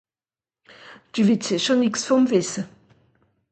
Dü wìtt sìcher nìx vùm wìsse ?